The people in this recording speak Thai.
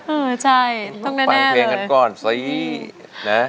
เออใช่ต้องแน่เลยต้องฟังเพลงกันก่อนสินะ